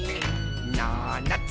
「ななつ